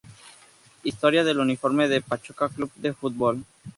Historia del uniforme del Pachuca Club de Fútbol